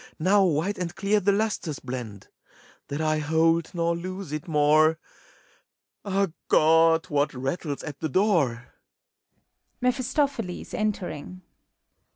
Now white and clear the lustres blend! that I hold, nor lose it more! Ah, God! what rattles at the doorf MEPHISTOPHELES ( entering)